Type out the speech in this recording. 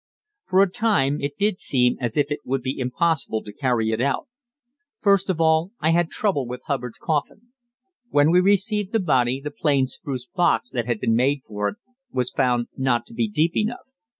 For a time it did seem as if it would be impossible to carry it out. First of all, I had trouble with Hubbard's coffin. When we received the body, the plain spruce box that had been made for it was found not to be deep enough.